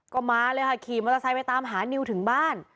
ก็มาเลยค่ะขี่มอเตอร์ไซค์ไปตามหานิวถึงบ้าน